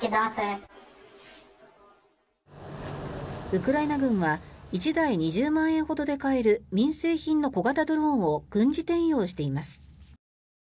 ウクライナ軍は１台２０万円ほどで買える民生品の小型ドローンを軍事転用しています。